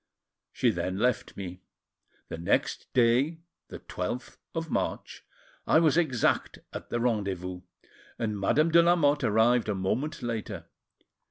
She then left me. The next day, the 12th, of March, I was exact at the rendezvous, and Madame de Lamotte arrived a moment later.